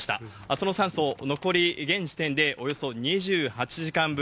その酸素、残り、現時点でおよそ２８時間分。